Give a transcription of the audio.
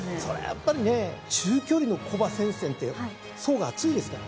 やっぱりね中距離の古馬戦線って層が厚いですから。